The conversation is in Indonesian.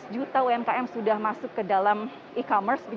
empat belas juta umkm sudah masuk ke dalam e commerce